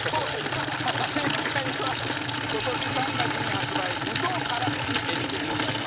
バカリズム：正解は今年３月に発売無頭殻付きえびでございます。